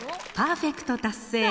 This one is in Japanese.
パーフェクト達成。